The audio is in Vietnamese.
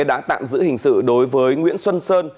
đã tạm giữ hình sự đối với nguyễn xuân sơn